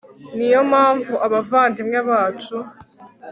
ni yo mpamvu abavandimwe bacu